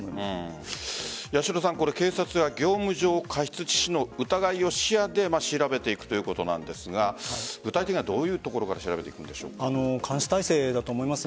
警察は業務上過失致死の疑いを視野で調べていくということなんですが具体的にはどういうところから監視体制だと思います。